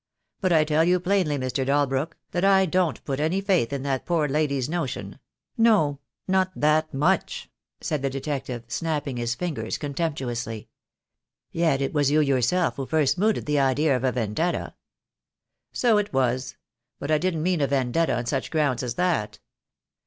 But I tell you plainly, Mr. Dalbrook, that I don't put any faith in that poor lady's notion — no, not that much," said the detective, snapping his fingers contemptuously. I 82 THE DAY WILL COME. "Yet it was you yourself who first mooted the idea of a vendetta." "So it was; but I didn't mean a vendetta on such grounds as that.